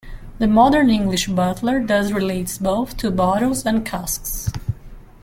The modern English "butler" thus relates both to bottles and casks.